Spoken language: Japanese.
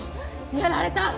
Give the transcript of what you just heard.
やられた！